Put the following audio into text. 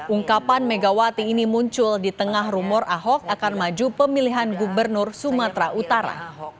ungkapan megawati ini muncul di tengah rumor ahok akan maju pemilihan gubernur sumatera utara